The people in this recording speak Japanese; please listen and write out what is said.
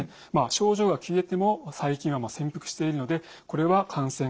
症状が消えても細菌は潜伏しているのでこれは感染が強い。